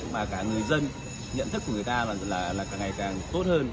mà cả người dân nhận thức của người ta là càng ngày càng tốt hơn